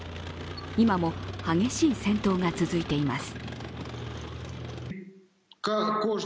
今も激しい戦闘が続いています。